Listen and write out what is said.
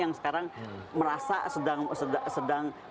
yang sekarang merasa sedang